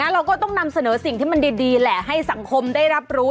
เราก็ต้องนำเสนอสิ่งที่มันดีแหละให้สังคมได้รับรู้